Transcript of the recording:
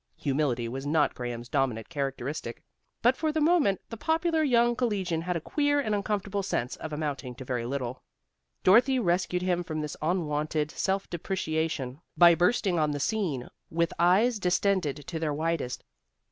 Humility was not Graham's dominant characteristic, but for the moment the popular young collegian had a queer and uncomfortable sense of amounting to very little. Dorothy rescued him from this unwonted self depreciation by bursting on the scene with eyes distended to their widest.